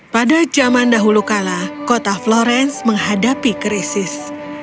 pada zaman dahulu kala kota florence menghadapi krisis